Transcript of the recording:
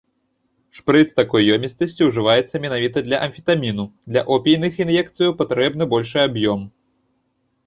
Шпрыц такой ёмістасці ўжываецца менавіта для амфетаміну, для опійных ін'екцыяў патрэбны большы аб'ём.